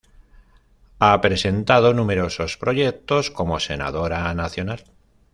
Ha presentado numerosos proyectos como Senadora Nacional.